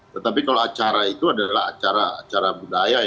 tetapi kalau acara itu adalah acara budaya